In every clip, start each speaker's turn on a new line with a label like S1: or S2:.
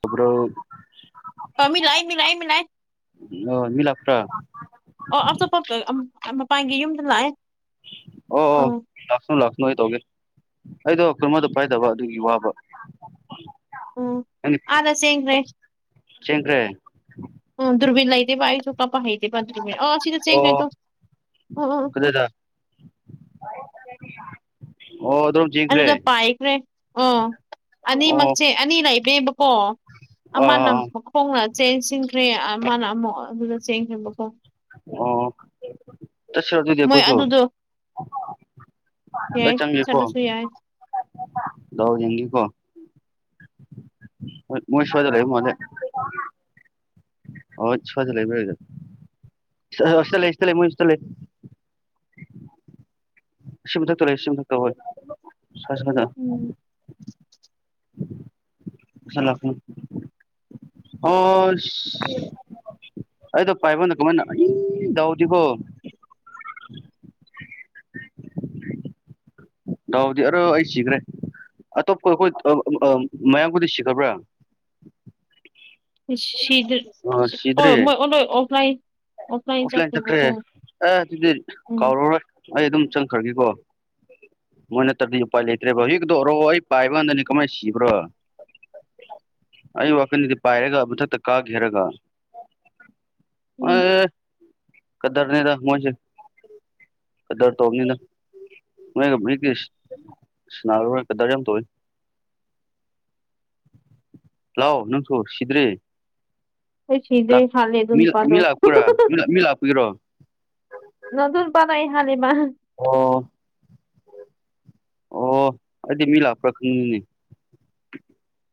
S1: ꯇꯕ꯭ꯔꯣ
S2: ꯑꯥ ꯃꯤꯂꯥꯏ ꯃꯤꯂꯥꯏ ꯃꯤꯂꯥꯏ
S1: ꯃꯤ ꯂꯥꯛꯄ꯭ꯔꯥ
S2: ꯑꯥ [unintelligible] ꯑꯝ ꯃꯄꯟꯒꯤ ꯌꯨꯝꯗ ꯂꯥꯛꯑꯦ
S1: ꯑꯣ ꯑꯣ ꯂꯥꯛꯁꯅꯣ ꯂꯥꯛꯁꯅꯣ ꯑꯩ ꯇꯧꯒꯦ ꯑꯩꯗꯣ ꯈꯨꯔꯃꯗꫭ ꯄꯥꯏꯗꯕ ꯑꯗꯨꯒꯤ ꯋꯥꯕ [inaudible]
S2: ꯎꯝ ꯑꯥꯗ ꯆꯦꯟꯈ꯭ꯔꯦ
S1: ꯆ°ꯟꯈꯔ°
S2: ꯗꯔꫭꯕꯤꯟ ꯂꯩꯇꯦꯕ ꯑꯩꯁꯨ ꯗꯥꯞꯄ ꯍꯩꯇ°ꯕ ꯑꯗꯨꯗꯒꯤꯑꯥ ꯁꯤꯗ ꯆꯦꯡꯈ꯭ꯔꯦ
S1: ꯑꯣ
S2: ꯇꯨ
S1: ꯀꯗꯥꯏꯗ ꯑꯣ ꯑꯗꯣ
S2: ꯑꯗꯨꯗ ꯄꯥꯏꯈ꯭ꯔꯦ ꯑꯣ
S1: ꯑꯣ
S2: ꯑꯅꯤꯃꯛꯁꯦ ꯑꯅꯤ ꯂꯩꯕꯦꯕꯀꯣ
S1: ꯑꯥ
S2: ꯑꯃꯅ
S1: ꯑꯥ ꯑꯥ
S2: ꯃꯈꯣꯡꯅ ꯆꯦꯟꯁꯤꯟꯈ꯭ꯔꯦ ꯑꯃꯅ ꯑꯃꯨꯛ ꯑꯗꯨꯗ ꯆꯦꯟꯈ꯭ꯔꯦꯕꯀꯣ
S1: ꯑꯣ [unintelligible]
S2: ꯃꯣꯏ
S1: ꯑꯩꯈꯣꯢꯁꯨ
S2: ꯑꯗꯨꯗꯣ ꯌꯥꯏ
S1: ꯑꯩ ꯆꯪꯒꯦꯀꯣ
S2: ꯆꯠꯂꯁꯨ ꯌꯥꯏ
S1: ꯗꯥꯎ ꯌꯦꯡꯒ°ꯀꯣ ꯃꯣꯢ ꯃꯣꯢ ꯁ꯭ꯋꯥꯢꯗ ꯂꯩꯕ ꯃꯜꯂꯤ ꯑꯣꯢ ꯁ꯭ꯋꯥꯢꯗ ꯂꯩꯕ [inaudible] ꯁꯥ ꯍꯥ ꯁꯤꯗ ꯂꯩ ꯁꯤꯗ ꯂꯩ ꯃꯣꯢ ꯁꯤꯗ ꯂꯩ ꯁꯤ ꯃꯊꯛꯇ ꯂꯩ ꯁꯤ ꯃꯊꯛꯇ ꯍꯣꯢ ꯁ꯭ꯋꯥꯢ ꯁ꯭ꯋꯥꯢꯗ
S2: ꯎꯝ
S1: [inaudible] ꯃꯁꯥ ꯂꯥꯛꯀꯅꯤ ꯑꯣꯁ ꯑꯩꯗꯣ ꯄꯥꯏꯕꯝꯗ ꯀꯃꯥꯏꯅ ꯑꯅꯤ ꯇꯧꯗꯦꯀꯣ [inaudible] ꯗꯥꯎꯗꯤ ꯑꯔꯣ ꯑꯩ ꯁꯤꯈ꯭ꯔꯦ ꯑꯇꯣꯞꯄ ꯑꯩꯈꯣꯏ ꯑꯥ ꯑꯥ ꯃꯌꯥꯝꯕꯨꯗꯤ ꯁꯤꯈꯕ꯭ꯔꯥ
S2: ꯁꯤꯗ꯭ꯔꯤ
S1: ꯑ ꯁꯤꯗ꯭ꯔꯤ
S2: ꯑꯣꯏ ꯃꯣꯏ ꯑꯣꯂꯣꯏ ꯑꯣꯐꯂꯥꯏꯟ
S1: ꯑꯣꯐꯂꯥꯏꯟ ꯆꯠꯈ꯭ꯔꯦ ꯑꯦ ꯑꯗꯨꯗꯤ
S2: ꯎꯝ
S1: ꯀꯥꯎꯔꯔꯣꯏ ꯑꯩ ꯑꯗꯨꯝ ꯆꯪꯈ꯭ꯔꯒꯦꯀꯣ ꯃꯣꯏ ꯅꯠꯇ꯭ꯔꯗꯤ ꯎꯄꯥꯏ ꯂꯩꯇ꯭ꯔꯦꯕ ꯍꯣꯖꯤꯛꯀꯤꯗꯣ ꯑꯣꯔꯣ ꯑꯩ ꯄꯥꯏꯕ ꯀꯥꯟꯗꯅꯤ ꯀꯃꯥꯏꯟ ꯁꯤꯕ꯭ꯔ ꯑꯩ ꯋꯥꯈꯟꯗꯗꯤ ꯄꯥꯏꯔꯒ ꯃꯨꯊꯠ ꯇ ꯀꯥꯗ꯭ꯔꯤ ꯍꯥꯏꯔꯒ
S2: ꯎꯝ
S1: ꯑꯦ ꯀꯗꯔꯅꯤꯗ ꯃꯣꯏꯖꯦ ꯀꯗꯔ ꯇꯧꯕꯅꯤꯗ ꯃꯣꯏꯒ [unintelligible] ꯁꯅꯥꯔꯔꯣꯏ ꯀꯗꯔ ꯌꯥꯝ ꯇꯧꯋꯤ ꯂꯥꯎ ꯅꯪꯁꯨ‌ ꯁꯤꯗ꯭ꯔꯤ
S2: ꯑꯩ ꯁꯤꯗ꯭ꯔꯤ
S1: ꯂꯥꯛ
S2: ꯍꯥꯠꯂꯦ ꯑꯗꯨ
S1: ꯃꯤ ꯃꯤ
S2: ꯅꯨꯄꯥꯗꯣ
S1: ꯂꯥꯛꯄ꯭ꯔꯥ ꯃꯤ ꯃꯤ ꯂꯥꯛꯄꯒꯤꯔꯣ
S2: ꯃꯗꯨ ꯅꯨꯄꯥꯗꯣ ꯑꯩ ꯍꯥꯠꯂꯦ ꯃꯥ
S1: ꯑꯣ ꯑꯣ ꯑꯩꯗꯤ ꯃꯤ ꯂꯥꯛꯄ꯭ꯔꯥ ꯈꯟꯕꯅꯤꯅꯦ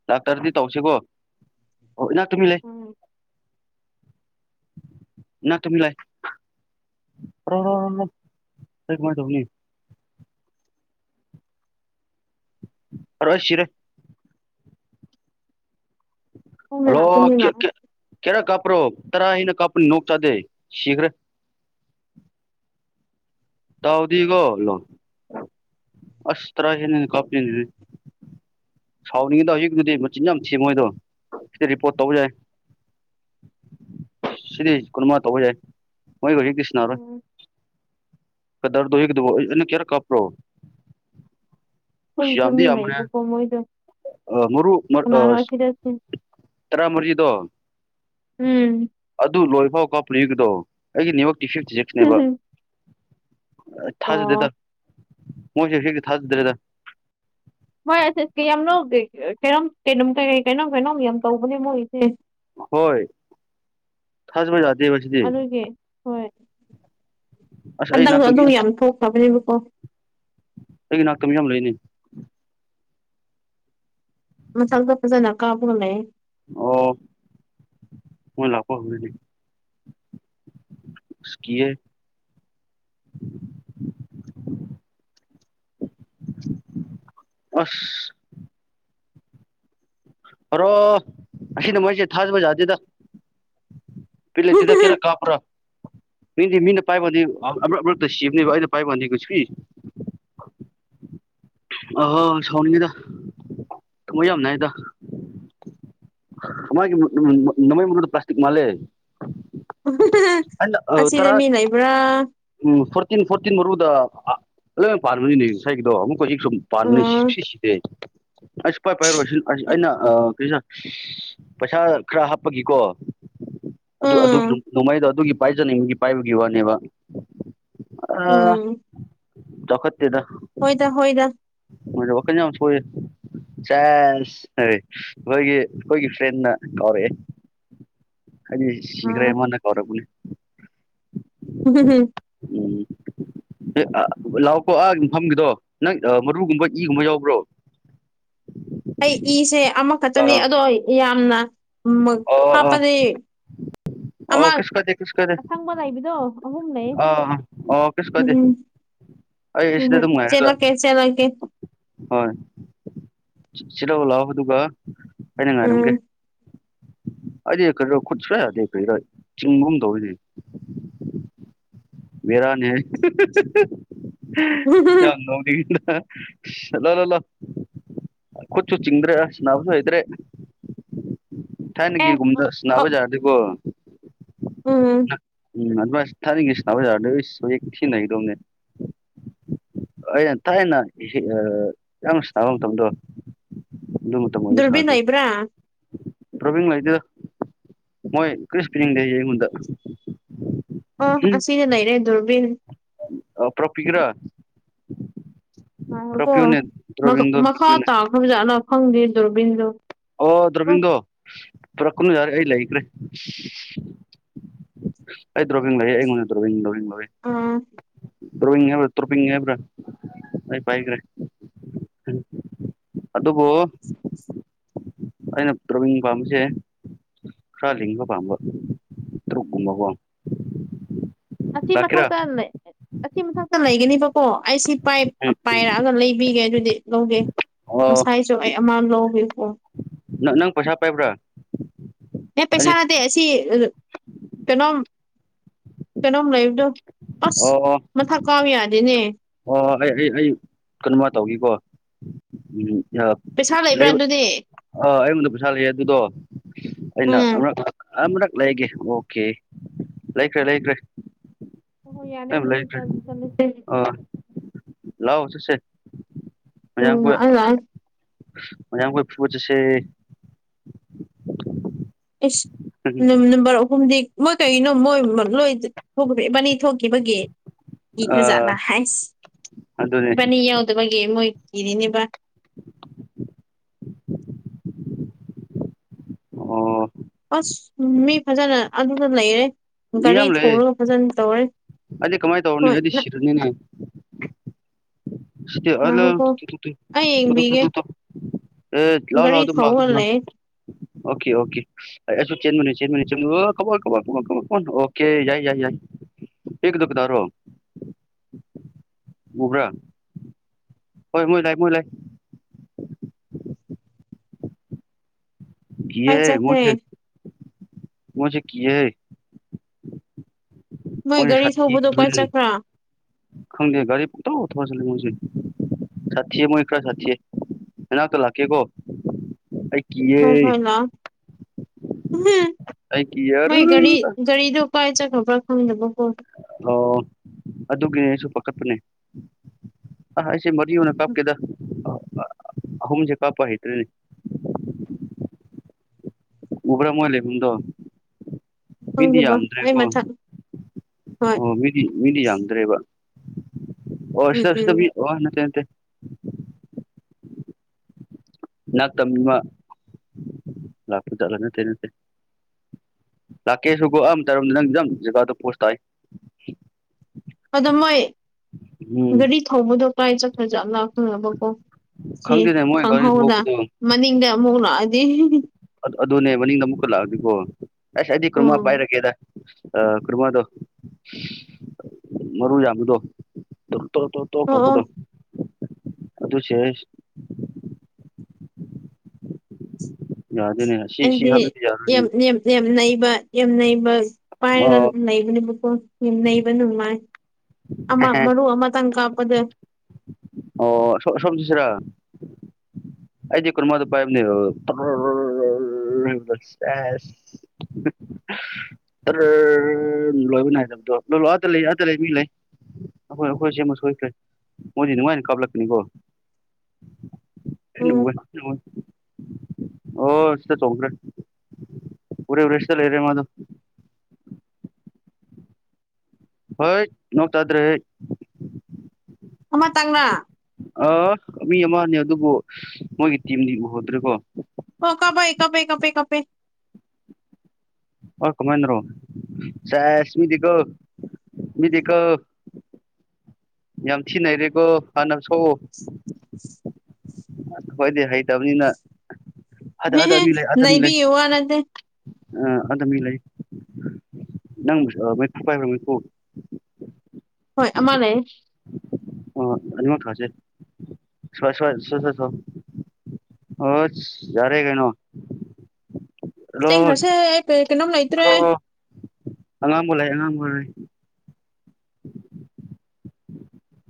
S1: ꯂꯥꯛꯇ꯭ꯔꯗꯤ ꯇꯧꯁꯤꯀꯣ ꯑꯣ ꯏꯅꯥꯛꯇ ꯃꯤ ꯂꯩ
S2: ꯎꯝ
S1: ꯏꯅꯥꯛꯇ ꯃꯤ ꯂꯩ ꯑꯣ ꯑꯩ ꯑꯗꯨꯃꯥꯏ ꯇꯧꯕꯅꯤ ꯑꯔꯥ ꯑꯩ ꯁꯤꯔꯦ
S2: ꯈꯣꯡꯅ
S1: ꯍꯜꯂꯣ
S2: ꯂꯥꯛꯇꯣꯏꯅꯦꯕ
S1: ꯀꯌꯥ ꯀꯌꯥ ꯀꯌꯥꯔꯛ ꯀꯥꯞꯄ꯭ꯔꯣ ꯇꯔꯥ ꯑꯩꯅ ꯀꯥꯞꯄꯅꯤ ꯅꯣꯛ ꯆꯥꯗꯦ ꯁꯤꯈꯔꯦ ꯇꯥꯎꯗꯤꯒꯣ ꯂꯣ ꯑꯁ ꯇꯔꯥ ꯍꯦꯟꯅ ꯀꯞꯄꯤꯅꯤꯅꯦ ꯁꯥꯎꯅꯤꯡꯉꯤꯗ ꯍꯧꯖꯤꯛꯀꯤꯗꯨꯗꯤ ꯃꯆꯤꯟ ꯌꯥꯝ ꯊꯤ ꯃꯣꯏꯗꯣ ꯁꯤꯗ ꯔꯤꯄꯣꯔꯠ ꯇꯧ ꯌꯥꯏ ꯁꯤꯗꯤ ꯀꯨꯟꯅꯃꯥ ꯇꯧꯕ ꯌꯥꯏ ꯃꯣꯏ ꯍꯧꯖꯤꯛꯇꯤ ꯁꯤꯅꯔꯣꯏ
S2: ꯎꯝ
S1: ꯀꯗꯔꯗꯨꯌꯦ ꯀꯤꯗꯨꯕꯨ‌ ꯑꯩ ꯅꯪ ꯀꯌꯥꯔꯛ ꯀꯞꯄ꯭ꯔꯣ ꯑꯁ
S2: ꯑꯩꯁꯨ
S1: ꯌꯥꯝꯗꯤ
S2: ꯃꯤ
S1: ꯌꯥꯝꯕꯅꯤꯍꯦ
S2: ꯂꯩꯕꯀꯣ ꯃꯣꯏꯗꯣ
S1: ꯑ ꯃꯔꯨꯞ ꯃꯥ
S2: ꯀꯅꯥꯅꯣ
S1: ꯑꯥꯁ
S2: ꯑꯁꯤꯗ
S1: ꯇꯔꯥ ꯃꯔꯤꯗꯣ
S2: ꯎꯝ
S1: ꯑꯗꯨ ꯂꯣꯏꯐꯥꯎ ꯀꯥꯞꯄꯔꯦ ꯑꯩꯒꯤꯗꯣ ꯑꯩꯒꯤ ꯅꯦꯠꯋꯥꯛꯇꯤ ꯐꯤꯐꯗꯦꯛꯁꯅꯦꯕ ꯑ ꯊꯥꯖꯗꯦꯗ
S2: ꯑꯣ
S1: ꯃꯣꯏꯁꯤ ꯍꯧꯖꯤꯛꯇꯤ ꯊꯥꯖꯗ꯭ꯔꯦꯗ
S2: ꯍꯣꯏ ꯑꯁ ꯑꯁꯀꯥ ꯌꯥꯝ ꯂꯧꯗꯦ ꯑ ꯀꯩꯅꯣꯝ ꯀꯩꯅꯣꯝ ꯀꯩ ꯀꯩꯅꯣꯝ ꯀꯩꯅꯣꯝ ꯌꯥꯝ ꯇꯧꯕꯅꯦ ꯃꯣꯏꯁꯦ
S1: ꯍꯣꯏ ꯊꯥꯖꯕ ꯌꯥꯗꯦꯕ ꯁꯤꯗꯤ
S2: ꯑꯗꯨꯒꯤ ꯍꯣꯏ
S1: ꯑꯁ ꯑꯩ
S2: ꯍꯟꯗꯛꯁꯨ
S1: ꯅꯥꯛꯇ ꯃꯤ
S2: ꯑꯗꯨꯝ ꯌꯥꯝ ꯊꯣꯛꯈ꯭ꯔꯕꯅꯦꯕꯀꯣ
S1: ꯑꯩꯒꯤ ꯅꯥꯛꯇ ꯃꯤ ꯌꯥꯝ ꯂꯩꯅꯦ
S2: ꯃꯊꯛꯗ ꯐꯖꯅ ꯀꯥꯞꯄꯥꯒ ꯂꯩ
S1: ꯑꯣ ꯃꯣꯏ ꯂꯥꯛꯄ ꯍꯧꯔꯗꯤ ꯑꯁ ꯀꯤꯌꯦ ꯑꯁ ꯑꯔꯣ ꯑꯁꯤ ꯅꯥꯃꯣꯏꯁꯦ ꯊꯥꯖꯕ ꯌꯥꯗꯦꯗ ꯄꯤꯠ ꯂꯩꯇꯦꯗ ꯀꯌꯥꯔꯛ ꯀꯥꯞꯄꯔꯥ ꯃꯤꯗꯤ ꯃꯤꯅ ꯄꯥꯏꯕꯗꯤ ꯑꯃꯔꯛ ꯑꯃꯔꯛꯇ ꯁꯤꯕꯅꯦꯕ ꯑꯩꯅ ꯄꯥꯏꯕꯀꯟꯗꯤ ꯀꯩꯁꯨꯁꯤ ꯑꯣ ꯍꯣ ꯁꯥꯎꯅꯤꯡꯉꯤꯗ ꯊꯃꯣꯏ ꯌꯥꯝ ꯅꯥꯏꯗ ꯊꯃꯥꯏꯒꯤ ꯃꯥ ꯃꯥ ꯃꯃꯩ ꯃꯔꯨꯗꯣ ꯄ꯭ꯂꯥꯁꯇꯤꯛ ꯃꯥꯜꯂꯦ ꯑꯩꯅ
S2: ꯑꯁꯤꯗ
S1: ꯇꯔꯥ
S2: ꯃꯤ ꯂꯩꯕꯔꯥ
S1: ꯎꯝ ꯐꯣꯔꯇꯤꯟ ꯐꯣꯔꯇꯤꯟ ꯃꯔꯨꯗ ꯑꯥ‌ ꯂꯣꯏ ꯄꯥꯟꯕꯅꯤꯅꯦ ꯉꯁꯥꯏꯒꯤꯗꯣ ꯑꯃꯨꯛ ꯀꯣꯏꯒꯤ ꯁꯨꯝ ꯄꯥꯟꯕꯅꯤ
S2: ꯎꯝ
S1: ꯁꯨꯛꯁꯤ ꯁꯤꯗꯦ ꯑꯩ ꯁꯨꯛꯄꯥꯏ ꯄꯥꯏꯔꯣꯏ ꯁꯤ ꯑꯁ ꯑꯩꯅ ꯑꯥ ꯀꯔꯤꯔ ꯄꯩꯁꯥ ꯈꯔ ꯍꯥꯞꯄꯒꯤꯀꯣ ꯑꯗꯨ ꯑꯗꯨꯒꯤ
S2: ꯎꯝ
S1: ꯅꯣꯡꯃꯩꯗꯣ ꯑꯗꯨꯒꯤ ꯄꯥꯏꯖꯅꯤꯡꯕꯒꯤ ꯄꯥꯏꯕꯒꯤ ꯋꯥꯅꯦꯕ ꯑꯥ
S2: ꯎꯝ
S1: ꯆꯥꯎꯈꯠꯇꯦꯗ
S2: ꯍꯣꯏꯗ ꯍꯣꯏꯗ
S1: ꯃꯣꯏꯗꯣ ꯋꯥꯈꯟ ꯌꯥꯝ ꯁꯣꯏꯌꯦ ꯆꯦꯁ ꯑꯩ ꯑꯩꯈꯣꯏꯒꯤ ꯑꯩꯈꯣꯏꯒꯤ ꯐ꯭ꯔꯦꯟꯅ ꯀꯧꯔꯛꯑꯦ ꯍꯥꯏꯗꯤ ꯁꯤꯈ꯭ꯔꯦ
S2: ꯎꯝ
S1: ꯃꯥꯅ ꯀꯧꯔꯛꯄꯅꯦ
S2: [unintelligible]
S1: ꯎꯝ ꯑꯦ ꯑꯥ ꯂꯥꯛꯀꯣ ꯑꯥ ꯃꯐꯝꯒꯤꯗꯣ ꯅꯪ ꯃꯔꯨꯒꯨꯝꯕ ꯏꯒꯨꯝꯕ ꯌꯥꯎꯕ꯭ꯔꯣ
S2: ꯑꯩ ꯏ ꯁꯦ ꯑꯃꯈꯛꯇꯅꯤ
S1: ꯑꯥ
S2: ꯑꯗꯣ ꯌꯥꯝꯅ ꯎꯃꯛ
S1: ꯑꯣ ꯑꯣ
S2: ꯍꯥꯞꯄꯗꯤ
S1: ꯑꯣ
S2: ꯑꯃ
S1: ꯀꯩꯁꯨ ꯀꯥꯏꯗꯦ ꯀꯩꯁꯨ ꯀꯥꯏꯗꯦ
S2: ꯑꯁꯪꯕ ꯂꯩꯕꯗꯣ ꯑꯍꯨꯝ ꯂꯩꯌꯦ
S1: ꯑꯥ ꯑꯣ ꯀꯩꯁꯨ ꯀꯥꯏꯗꯦ
S2: ꯎꯝ
S1: ꯑꯩ
S2: ꯎꯝ
S1: ꯁꯤꯗ
S2: ꯍꯣꯏ
S1: ꯑꯗꯨꯝ ꯉꯥꯏꯔꯒ
S2: ꯆꯦꯂꯛꯀꯦ ꯆꯦꯂꯛꯀꯦ
S1: ꯍꯣꯏ ꯁꯤ ꯂꯧ ꯂꯥꯛꯑꯣ ꯑꯗꯨꯒ ꯑꯩꯅ
S2: ꯎꯝ
S1: ꯉꯥꯏꯔꯝꯒꯦ ꯑꯩꯗꯤ ꯀꯔꯤꯅꯣ ꯈꯨꯠ ꯁꯨꯛꯌꯥ ꯌꯥꯗꯦ ꯀꯩꯔ ꯆꯤꯡꯕꯒꯨꯝ ꯇꯧꯋꯤꯅꯦ ꯕꯦꯔꯥꯅꯤ ꯍꯩꯠ ꯌꯥꯝ ꯅꯣꯛꯅꯤꯡꯗꯔꯥ ꯂꯥꯎ ꯂꯥꯎ ꯂꯥꯎ ꯈꯨꯠꯁꯨ ꯆꯤꯡꯗ꯭ꯔꯦ ꯑꯁ ꯅꯥꯕꯁꯨ ꯍꯩꯇ꯭ꯔꯦ
S2: ꯑꯦ
S1: ꯊꯥꯢꯅꯒꯤꯒꯨꯝꯗꯁ
S2: ꯑ
S1: ꯅꯥꯕ ꯌꯥꯗꯦꯀꯣ
S2: ꯎꯝ
S1: ꯎꯝ ꯑꯗꯨꯃꯥꯢ ꯊꯥꯢꯅꯒꯤꯁ ꯅꯥꯕ ꯌꯥꯥꯔꯗꯤ ꯏꯁ ꯍꯧꯖꯤꯛ ꯊꯤꯅ ꯅꯩꯒꯗꯧꯕꯅꯦ ꯑꯩꯅ ꯊꯥꯏꯅ ꯑꯥ ꯌꯥꯝ ꯁꯥꯟꯅꯕ ꯃꯇꯝꯗꯣ ꯑꯗꯨ ꯃꯇꯝ ꯑꯣꯢꯕ
S2: ꯗꯨꯔꯕꯤꯟ
S1: ꯁꯥꯔꯗꯤ
S2: ꯂꯩꯕ꯭ꯔꯥ
S1: ꯗ꯭ꯔꯣꯕꯤꯡ ꯂꯩꯇꯦꯗ ꯃꯣꯏ ꯀ꯭ꯔꯤꯁꯨ ꯄꯤꯅꯤꯡꯗꯦ ꯑꯩꯉꯣꯟꯗ
S2: ꯑꯣ ꯑꯁꯤꯗ ꯂꯩꯔꯦ ꯗꯨꯨꯔꯕꯤꯟ
S1: ꯑꯥ ꯄꯣꯔꯛꯄꯤꯒꯦꯔꯥ
S2: ꯉꯥꯢꯈꯣꯀꯣ ꯃꯥ ꯃꯈꯥ
S1: ꯄꯤꯌꯨꯅꯦ
S2: ꯇꯥꯈ꯭ꯔꯕꯖꯥꯠꯂꯥ ꯈꯪꯗꯦ ꯗꯣꯔꯕꯤꯟꯗꯣ
S1: ꯑꯣ ꯗ꯭ꯔꯣꯕꯤꯟꯗꯣ ꯄꯨꯔꯛꯀꯅꯨ ꯌꯥꯔꯦ ꯑꯩ ꯂꯩꯈ꯭ꯔꯦ ꯑꯩ ꯗ꯭ꯋꯣꯕꯤꯡ ꯂꯩꯌꯦ ꯑꯩꯉꯣꯟꯗ ꯗ꯭ꯔꯣꯕꯤꯟ ꯗ꯭ꯔꯣꯕꯤꯟ ꯗ꯭ꯔꯣꯕꯤꯟ
S2: ꯑꯥ
S1: ꯗ꯭ꯔꯣꯕꯤꯡ ꯍꯥꯏꯕ꯭ꯔꯥ ꯇ꯭ꯔꯣꯄꯤꯡ ꯍꯥꯏꯕ꯭ꯔꯥ ꯑꯩ ꯄꯥꯏꯈꯔꯦ ꯑꯗꯨꯕꯨ ꯑꯩꯅ ꯇ꯭ꯔꯣꯕꯤꯡ ꯄꯥꯝꯕꯁꯦ ꯈ꯭ꯔꯥ ꯂꯤꯡꯕ ꯄꯥꯝꯕ ꯇ꯭ꯔꯨꯛ ꯀꯨꯝꯕ ꯀꯣ
S2: ꯑꯁꯤ ꯃꯊꯛꯇ ꯂꯩ ꯑꯁꯤ ꯃꯊꯛꯇ ꯂꯩꯒꯅꯤꯕꯣ ꯀꯣ ꯑꯩꯁꯤ ꯄꯥꯏ
S1: ꯎꯝ ꯎꯝ
S2: ꯄꯥꯏꯔꯛꯑꯥꯒ ꯂꯩꯕꯤꯒꯦ ꯑꯗꯨꯗꯤ ꯂꯧꯒꯦ
S1: ꯑꯣ
S2: ꯉꯁꯥꯏꯁꯨ ꯑꯩ ꯑꯃ ꯂꯧꯋꯤꯀꯣ
S1: ꯅꯥ ꯅꯪ ꯄꯩꯁꯥ ꯄꯥꯏꯕ꯭ꯔꯥ
S2: ꯑꯦ
S1: ꯑꯩ
S2: ꯄꯩꯁꯥ ꯅꯠꯇꯦ ꯑꯁꯤ ꯑꯥ ꯀꯩꯅꯣꯝ ꯀꯩꯅꯣꯝ ꯂꯩꯕꯗꯣ ꯑꯁ ꯃꯊꯛ ꯀꯥꯕ ꯌꯥꯗꯦꯅꯦ
S1: ꯍꯣꯏ ꯍꯣꯏ ꯑꯩ ꯑꯩ ꯑꯩ ꯀꯩꯅꯣꯃ ꯇꯧꯈꯤꯀꯣ ꯎꯝ ꯑꯥ
S2: ꯄꯩꯁꯥ ꯂꯩꯕ꯭ꯔꯥ
S1: ꯂꯩꯕ
S2: ꯑꯗꯨꯗꯤ
S1: ꯑꯥ ꯑꯩꯉꯣꯟꯗ ꯄꯩꯁꯥ ꯂꯩꯌꯦ ꯑꯗꯨꯗꯣ ꯑꯩꯅ
S2: ꯎꯝ
S1: ꯑꯃꯔꯛ ꯑꯃꯨꯔꯛ ꯂꯩꯒꯦ ꯑꯣꯀꯦ ꯂꯩꯈ꯭ꯔꯦ ꯂꯩꯈ꯭ꯔꯦ
S2: ꯍꯣ ꯍꯣꯏ ꯌꯥꯔꯦ ꯑꯗꯨꯗꯤ ꯆ [unintelligible] ꯇꯦꯠ
S1: ꯂꯥꯎ ꯆꯠꯁꯦ ꯃꯌꯥꯝ
S2: ꯎꯝ
S1: ꯈꯣꯢ
S2: ꯑꯩ
S1: ꯃꯌꯥꯝ ꯈꯣꯢ ꯐꯨꯕ ꯆꯠꯁꯦ
S2: ꯏꯁ ꯅꯝ ꯅꯝꯕꯔ ꯑꯍꯨꯝꯗꯤ ꯃꯣꯏ ꯀꯩꯅꯣ ꯃꯣꯏ ꯅꯣꯏ ꯊꯣꯛꯈꯔꯦ ꯢꯕꯅꯤ ꯊꯣꯛꯈꯤꯕꯒꯤ
S1: ꯑꯥ
S2: ꯀꯤꯈ꯭ꯔꯖꯥꯠꯂ ꯍꯥꯏꯁ
S1: ꯑꯗꯨꯅꯦ
S2: ꯏꯕꯥꯅꯤ ꯌꯥꯎꯗꯕꯒꯤ ꯃꯣꯏ ꯀꯤꯔꯤꯅꯦꯕ
S1: ꯑꯣ
S2: ꯑꯁ ꯃꯤ ꯐꯖꯅ ꯑꯗꯨꯗ ꯂꯩꯔꯦ
S1: ꯃꯤ
S2: ꯒꯥꯔꯤ
S1: ꯌꯥꯝ ꯂꯩꯌꯦ
S2: ꯊꯧꯔꯒ ꯐꯖꯅ ꯇꯧꯔꯦ
S1: ꯑꯩꯗꯤ ꯀꯃꯥꯏꯅ ꯇꯧꯔꯅꯤ
S2: ꯍꯣꯏ
S1: ꯑꯩꯗꯤ
S2: ꯅ
S1: ꯁꯤꯔꯅꯤꯅꯦ ꯁꯤ ꯑꯂ
S2: ꯉꯥꯏꯈꯣꯀꯣ
S1: ꯇꯨ ꯇꯨ ꯇꯨ
S2: ꯑꯩ ꯌꯦꯡꯕꯤꯒꯦ
S1: [unintelligible] ꯑꯦ ꯂꯥꯎ ꯂꯥꯎ
S2: ꯒꯥꯔꯤ
S1: ꯑꯗꯨꯝ ꯂꯥꯎ
S2: ꯊꯧꯔꯒ
S1: ꯗꯨꯝ ꯂꯥꯎ
S2: ꯂꯩꯌꯦ
S1: ꯑꯣꯀꯦ ꯑꯣꯀꯦ ꯑꯩ ꯑꯩꯁꯨ ꯆꯦꯟꯕꯅꯤ ꯆꯦꯟꯕꯅꯤ ꯆꯦꯟꯕꯅꯤ ꯑꯣ ꯈꯃꯣꯟ ꯈꯃꯣꯟ ꯈꯃꯣꯟ ꯈꯃꯣꯟ ꯈꯃꯣꯟ ꯑꯣꯀꯦ ꯌꯥꯏ ꯌꯥꯏ ꯌꯥꯏ ꯑꯦꯛꯗꯨ ꯀꯅꯥꯔꯣ ꯎꯕ꯭ꯔꯥ ꯍꯣꯏ ꯃꯣꯏ ꯂꯥꯛꯑꯦ ꯃꯣꯏ ꯂꯥꯛꯑꯦ
S2: ꯀꯥꯏ
S1: ꯀꯤꯌꯦ
S2: ꯆꯠꯈ꯭ꯔꯦ
S1: ꯃꯣꯢꯁꯦ ꯃꯣꯢꯁꯦ ꯀꯤꯌꯦ
S2: ꯃꯣꯏ
S1: ꯃꯣꯢꯁꯦ
S2: ꯒꯥꯔꯤ
S1: ꯁꯥꯊꯤ
S2: ꯊꯧꯕꯗꯣ ꯀꯥꯏ
S1: ꯎꯝ
S2: ꯆꯠꯈ꯭ꯔꯥ
S1: ꯈꯪꯗ° ꯒꯥꯔꯤ ꯄꯪꯊꯧ ꯊꯧꯖꯤꯜꯂꯤ ꯃꫭꯏꯁꯤ ꯁꯥꯊꯤꯌ° ꯃꯣꯏ ꯈꯔ ꯁꯥꯊꯤꯌ° ꯅꯅꯥꯛꯇ ꯂꯥꯛꯀꯦꯀꯣ ꯑꯩ ꯀꯤꯌꯦ
S2: ꯍꯣꯏ ꯍꯣꯏ ꯂꯥꯛꯑꫭ
S1: ꯑꯩ ꯀꯤꯌꯦ
S2: ꯃꯥꯏ ꯒꯥꯔꯤ
S1: ꯑꯔꯔꯔ
S2: ꯒꯥꯔꯤꯗꯨ ꯀꯥꯏ ꯆꯠꯈ꯭ꯔꯕ꯭ꯔ ꯈꯪꯗꯕꯀꯣ
S1: ꯑꯣ ꯑꯗꯨꯒꯤꯅꯦ ꯑꯩꯁꯨ ꯄꯥꯈꯠꯄꯅꯦ ꯑꯥ ꯑꯩꯁꯦ ꯃꯔꯤ ꯑꫭꯏꯅ ꯀꯥꯞꯀꯦꯗ ꯑꯍꯨꯝꯁꯦ ꯀꯥꯞꯄ ꯍꯩꯇ꯭ꯔꯦꯅꯦ ꯎꯕ꯭ꯔ ꯃꫭꯏ ꯂꯩꯕꯝꯗꫭ ꯃꯤꯗꯤ
S2: ꯈꯪꯗꯕ ꯑꯩ
S1: ꯌꯥꯝꯗ꯭ꯔ°ꯀꫭ
S2: ꯃꯊꯛ ꯍꯣꯏ
S1: ꯑꯣ ꯃꯤ ꯃꯤ ꯃꯤꯗꯤ ꯌꯥꯝꯗ꯭ꯔꯦꯕ ꯑꯣ
S2: ꯎꯝ
S1: ꯁꯤꯗ ꯁꯤꯗ
S2: ꯎꯝ
S1: ꯃꯤ ꯑꫭ ꯅꯠꯇꯦ ꯅꯠꯇꯦ ꯅꯥꯛꯇ ꯃꯤꯃ ꯂꯥꯛꯇ꯭ꯔꯤꯖꯥꯠꯂ ꯅꯠꯇꯦ ꯅꯠꯇꯦ ꯂꯥꯛꯀꯦꯁꯨꯀꯣ ꯑꯝꯇꯔꯝꯗ ꯅꯪ ꯖꯒꯥꯗꯣ ꯄꯣꯁ ꯇꯥꯏ
S2: ꯑꯗꫭ ꯃꯣꯏ
S1: ꯎꯝ
S2: ꯒꯥꯔꯤ ꯊꯧꯕꯗꯣ ꯀꯥꯏ ꯆꯠꯈ꯭ꯔꯖꯥꯠꯂ ꯈꯪꯉꯕꯀꯣ ꯁꯤ
S1: ꯈꯪꯗꯦꯅꯦ ꯃꯣꯏ ꯒꯥꯔꯤ
S2: ꯈꯪꯍꯧꯗ
S1: ꯊꯧꯕꯗꯣ
S2: ꯃꯅꯤꯡꯗ ꯑꯃꯨꯛ ꯂꯥꯛꯑꯗꯤ
S1: ꯑꯁ ꯑꯗꯨꯅꯦ ꯃꯅꯤꯡꯗ ꯑꯃꯨꯛꯀ ꯂꯥꯛꯑꯗꯤꯀꯣ ꯑꯁ ꯑꯩꯗꯤ ꯀꯔꯝꯃ
S2: ꯎꯝ
S1: ꯄꯥꯏꯔꯒꯦꯗ ꯑꯥ ꯀ꯭ꯔꯃꯥꯗꯣ ꯃꯔꯨ ꯌꯥꯝꯕꯗꯣ ꯇꫭ ꯇꫭ ꯇꫭ
S2: ꯑꯣ ꯑꯣ
S1: ꯇꯣꯛꯈ꯭ꯔꯕꯗꯣ ꯑꯗꯣ ꯁ°ꯔꯤꯌꯁ ꯌꯥꯗꯣꯏꯅꯦ ꯁꯤ ꯁꯤ
S2: ꯑꯩꯗꯤ
S1: ꯍꯥꯞꯔꯗꯤ
S2: ꯌꯥꯝ
S1: ꯌꯥꯗꫭꯏꯅꯦ
S2: ꯌꯥꯝ ꯌꯥꯝ ꯅꯩꯕ ꯌꯥꯝ ꯅꯩꯕ ꯄꯥꯏꯔꯒ
S1: ꯑꯣ
S2: ꯅꯩꯕꯅꯦꯕꯀꯣ ꯌꯥꯝ ꯅꯩꯕ ꯅꯨꯡꯉꯥꯏ ꯑꯃ ꯃꯔꯨ ꯑꯃꯇꯪ ꯀꯥꯞꯄꯗ
S1: ꯑꯣ ꯑꯁꫭꯝ ꯑꯁꫭꯝ ꯆꯠꯁꯤꯔ ꯑꯩꯗꯤ ꯀꯔꯃꯗꯨ ꯄꯥꯏꯕꯅ°ꯕ ꯇꫭꯔꯔꯔꯔꯔꯔꯔ ꯆ°ꯁ [unintelligible] ꯑꯔꯔꯔꯔꯔꯔ ꯂꫭꯏꯕ ꯅꯥꯏꯗꯕꯗꫭ ꯗꫭ ꯑꯥꯗ ꯂꯩ ꯑꯥꯗ ꯂꯩ ꯃꯤ ꯂꯩ ꯑꯩꯈꯣꯏ ꯑꯩꯈꯣꯏ ꯁꯦꯝꯃ ꯁꯣꯏꯈ꯭ꯔꯦ ꯃꯣꯏꯗꯤ ꯑꯗꯨꯃꯥꯏꯅ ꯀꯥꯞꯂꯛꯀꯅꯤꯀꯣ ꯑꯩꯅ
S2: ꯎꯝ
S1: ꯎꯏꯑ° ꯑꯩꯅ ꯎꯏꯑꯦ ꯑꯣ ꯁꯤꯗ ꯆꯣꯡꯈ꯭ꯔꯦ ꯎꯔꯦ ꯎꯔ° ꯁꯤꯗ ꯂꯩꯔ° ꯃꯥꯗꫭ ꯍꯥꯏꯠ ꯅꯣꯡꯇꯥꯗ꯭ꯔꯦ ꯍ°
S2: ꯑꯃꯇꯪꯅ
S1: ꯑꯥ ꯃꯤ ꯑꯃꯅꯤ ꯑꯗꯨꯕꯨ ꯃꯣꯏꯒꯤ ꯇꯤꯝꯗꯤ ꯎꯍꯧꯗ꯭ꯔꯦꯀꯣ꯫
S2: ꯑꯣ ꯀꯄꯛꯑ° ꯀꯥꯞꯄꯦ ꯀꯥꯞꯄ° ꯀꯥꯞꯄ°
S1: ꯑꯣ ꯀꯃꯥꯏꯅꯔꯣ ꯆ°ꯁ ꯃꯤꯗꯤ ꯀꯣ ꯃꯤꯗꯤꯀꯣ ꯌꯥꯝꯊꯤ ꯅꯩꯔꯦꯀꯣ ꯍꯥꯟꯅ ꯁꯣ
S2: [unintelligible]
S1: ꯑꯈꯣꯏꯗꯤ ꯍꯩꯇꯕꯅꯤꯅ [unintelligible] ꯑ ꯑꯥꯗ
S2: ꯅꯩꯕꯤꯒꯤ ꯋꯥ ꯅꯠꯇꯦ
S1: ꯃꯤ ꯂꯩ ꯅꯪ ꯃꯩꯐꯨ ꯄꯥꯏꯕ꯭ꯔꯥ ꯃꯩꯐꯨ
S2: ꯍꯣꯏ ꯑꯃ ꯂꯩꯌ°꯫
S1: ꯑꯣ ꯑꯅꯤꯃꯛ ꯊꯥꯁꯦ ꯁ꯭ꯋꯥꯏ ꯁ꯭ꯋꯥꯏ [unintelligible] ꯑꯁ ꯌꯥꯔꯦ ꯀꯩꯅꯣ ꯔꯣ
S2: ꯆꯦꯟꯈ꯭ꯔꯁꯦ ꯑꯩ ꯀꯩ- ꯀꯩꯅꯣꯝ ꯂꯩꯇ꯭ꯔꯦ
S1: ꯔꯣ ꯑꯉꯥꯡꯕ ꯂꯩ ꯑꯉꯥꯡꯕ ꯂꯩ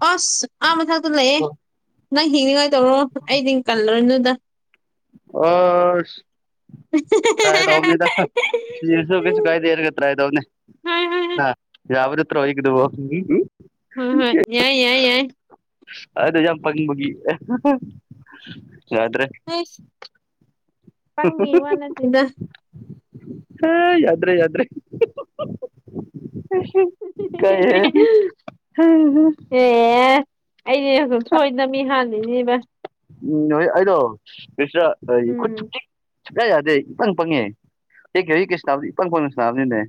S2: ꯑꯁ ꯑꯥ ꯃꯊꯛꯇ ꯂꯩꯑꯦ ꯅꯪ ꯍ°ꯛꯅꯤꯡꯉꯥꯏ ꯇꯧꯔꯣ ꯑꯩꯗꯤ ꯇꯜꯂꯅꯨꯗ
S1: ꯑꯁ ꯇ꯭ꯔꯥꯏ ꯇꯧꯕꯅꯤꯗ꯫ ꯁꯤꯔꯁꯨ ꯀꯩꯁꯨ ꯀꯥꯏꯗ° ꯑꯗꯨꯒ ꯇ꯭ꯔꯥꯏ ꯇꯧꯕꯅ°꯫
S2: ꯍꯣꯏ ꯍꯣꯏ ꯍꯣꯏ
S1: ꯍꯥ ꯌꯥꯕ ꯅꯠꯇ꯭ꯔꫭ ꯑꯩꯒꯤꯗꯨꯕꫭ?
S2: ꯍꫭꯏ ꯍꫭꯏ ꯌꯥꯏ ꯌꯥꯏ ꯌꯥꯏ
S1: ꯑꯩꯗꫭ ꯌꯥꯝ ꯄꯪꯕꯒꯤ ꯌꯥꯗ꯭ꯔꯦ
S2: [unintelligible] ꯄꯪꯕꯒꯤ ꯋꯥ ꯅꯠꯇꯦꯗ
S1: [unintelligible] ꯍꯥ ꯌꯥꯗ꯭ꯔꯦ ꯌꯥꯗ꯭ꯔ°
S2: [unintelligible] ꯑꯦ ꯑꯩꯗꯤ ꯁꯣꯏꯗꯅ ꯃꯤ ꯍꯥꯟꯅꯤꯅꯦꯕ
S1: ꯎꯝ ꯅꯣꯏ ꯑꯩꯗꯣ [unintelligible] ꯈꯨꯠꯁꯨ
S2: ꯎꯝ
S1: ꯆꯤꯛ ꯁꯨꯛ ꯌꯥ ꯌꯥꯗꯦ ꯏꯄꯪ ꯄꯪꯉꯦ [unintelligible] ꯁꯥꯅꯕ ꯏꯄꯪ ꯄꯪꯅ ꯁꯥꯅꯕ ꯅꯤꯅꯦ꯫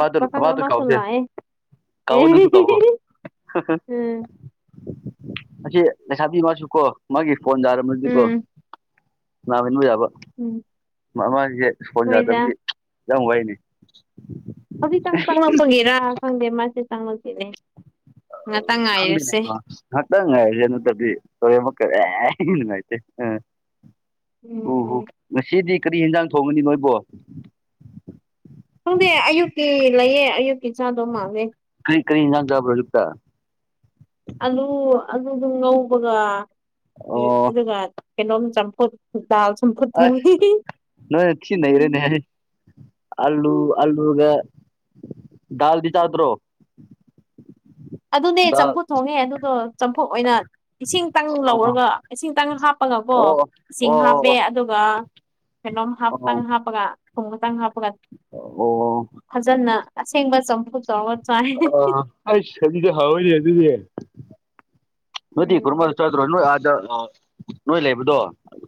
S2: ꯑꯁ ꯄꯥꯈꯪ
S1: ꯑꯃꯗꯨ
S2: ꯑꯃꯁꯨ
S1: ꯀꯧꯎꯁꯦ
S2: ꯂꯥꯛꯑꯦ
S1: ꯀꯧꯑꯣ ꯅꯪ ꯁꯨ ꯀꯧꯑꯣ꯫
S2: ꯎꯝ
S1: ꯑꯁꯤ ꯂꯩꯁꯥꯕꯤ ꯃꯥꯁꯨ ꯀꯣ ꯃꯥꯒꯤ ꯐꯣꯟ ꯌꯔꯝꯃꯗꯤ ꯀꯣ
S2: ꯎꯝ
S1: ꯅꯥꯍꯟꯕ ꯌꯥꯕ
S2: ꯎꯝ
S1: ꯃꯥ ꯃꯥꯒꯤ ꯐꯣꯟ
S2: ꯍꯣꯏꯗ
S1: ꯌꯥꯗꯕꯒꯤ ꯌꯥꯝ ꯋꯥꯏꯅꯦ
S2: ꯍꯧꯖꯤꯛꯇꯪ ꯆꯉꯛꯄꯒꯤꯔꯥ ꯈꯪꯗꯦ ꯃꯥꯁꯦ ꯆꯥꯡꯉꯛꯇꯦꯅꯦ꯫
S1: [unintelligible] ꯉꯍꯥꯛꯇꯪ ꯉꯥꯏꯑꯁꯦ ꯅꯠꯇꯗꯤ ꯍꯣꯔꯦꯟ ꯑꯃꯨꯛꯀ ꯑꯦ ꯅꯨꯡꯉꯥꯏꯇꯦ ꯑ ꯎ ꯍꯨ
S2: ꯎꯝ
S1: ꯉꯁꯤꯗꯤ ꯀꯔꯤ ꯌꯦꯟꯖꯥꯡ ꯊꯣꯡꯉꯅꯤ ꯅꯣꯏꯕꯣ?
S2: ꯈꯪꯗꯦ ꯑꯌꯨꯛꯀꯤ ꯂꯩꯌꯦ ꯑꯌꯨꯛꯀꯤ ꯆꯥꯗꯧ ꯃꯥꯜꯂꯦ꯫
S1: ꯀ꯭ꯔꯤ ꯀꯔꯤ ꯌꯦꯅꯥꯥꯡ ꯆꯕ꯭ꯔ ꯌꯨꯛꯇ?
S2: ꯑꯂꯨ ꯑꯂꯨꯗꯨ ꯉꯧꯕꯒ
S1: ꯑꯣ
S2: ꯑꯗꯨꯒ ꯀꯩꯅꯣꯝ ꯆꯝꯐꯨꯠ ꯗꯥꯜ ꯆꯝꯐꯨꯠ
S1: ꯑꯁ
S2: ꯊꯣꯡꯉꯦ
S1: ꯑꯂꯨꯥ ꯑꯥꯂꯨꯒ ꯗꯥꯜꯗꯤ ꯆꯥꯗ꯭ꯔꯣ?
S2: ꯑꯗꯨꯅꯦ
S1: ꯗꯥꯜ
S2: ꯆꯝꯐꯨꯠ ꯊꯣꯡꯉꯦ ꯑꯗꯨꯗꯣ ꯆꯝꯐꯨꯠ ꯑꯣꯏꯅ ꯏꯁꯤꯡꯇꯪ
S1: ꯑꯣ
S2: ꯂꯧꯔꯒ ꯏꯁꯤꯡꯇꯪ ꯍꯥꯞꯄꯒꯀꯣ
S1: ꯑꯣ
S2: ꯏꯁꯤꯡ ꯍꯥꯞꯄꯦ
S1: ꯑꯣ
S2: ꯑꯗꯨꯒ ꯀꯩꯅꯣꯝ
S1: ꯑꯣ
S2: ꯍꯥꯞ ꯇꯪ ꯍꯥꯄꯒ ꯊꯨꯝ ꯈꯤꯇꯪ ꯍꯥꯞꯄꯒ
S1: ꯑꯣ
S2: ꯐꯖꯅ ꯑꯁꯦꯡꯕ ꯆꯥꯝꯐꯨꯠ
S1: ꯑ ꯑꯁ ꯗꯨꯗꯤ ꯍꯥꯎꯋꯦ ꯑꯗꯨꯗꯤ ꯅꯣꯏꯗꯤ ꯀꯨꯔꯃꯥꯗ
S2: ꯎꯝ
S1: ꯆꯥꯗ꯭ꯔꯣ ꯅꯣꯏ ꯑꯥꯗ ꯅꯣꯏ ꯂꯩꯕꯗꯣ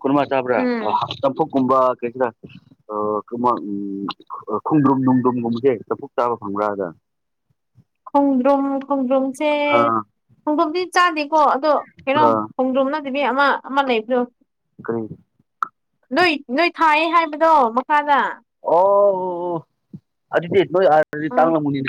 S1: ꯀꯔꯃꯥ ꯆꯥꯕ꯭ꯔꯥ
S2: ꯎꯝ
S1: ꯆꯝꯐꯨ ꯀꯨꯝꯕꯥ ꯀꯩꯁꯤꯔ ꯈꯣꯡꯗ꯭ꯔꯨꯝ ꯅꯨꯡꯗ꯭ꯔꯨꯝꯒꯨꯝꯕꯁꯦ ꯆꯐꯨꯠ ꯆꯥꯕ ꯐꯪꯕ꯭ꯔꯥ ꯑꯥꯗ
S2: ꯈꯣꯡꯗ꯭ꯔꯨꯝ ꯈꯣꯡꯗ꯭ꯔꯨꯝꯁꯦ
S1: ꯑꯥ
S2: ꯈꯣꯡꯗ꯭ꯔꯨꯝꯗꯤ ꯆꯥꯗꯦꯀꯣ ꯑꯗꯣ ꯀꯩꯅꯣꯝ
S1: ꯑꯥ
S2: ꯈꯣꯡꯗ꯭ꯔꯨꯝ ꯅꯠꯗꯕꯤ ꯑꯃ ꯑꯃ ꯂꯩꯕꯗꯣ
S1: ꯀꯔꯤ
S2: ꯅꯣꯏ ꯅꯣꯏ ꯊꯥꯏꯌꯦ ꯍꯥꯏꯕꯗꯣ ꯃꯈꯥꯗ
S1: ꯑꯣ ꯑꯗꯨꯗꯤ ꯅꯣꯏ ꯑꯗꯗꯤ
S2: ꯎꯝ
S1: ꯇꯥꯡꯂꯝꯒꯅꯤꯅꯦ